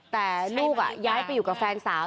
แต่ลูกย้ายไปอยู่กับแฟนสาว